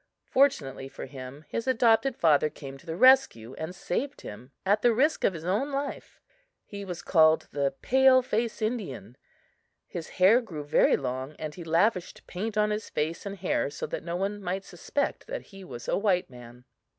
Fortunately for him, his adopted father came to the rescue, and saved him at the risk of his own life. He was called the "pale face Indian." His hair grew very long and he lavished paint on his face and hair so that no one might suspect that he was a white man.